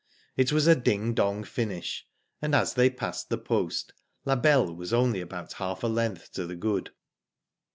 It was a ding dong finish, and as they passed the post La Belle was only about half a length to the good.